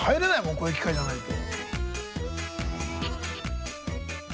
こういう機会じゃないと。